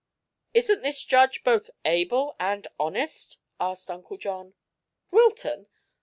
"Isn't this judge both able and honest?" asked Uncle John. "Wilton?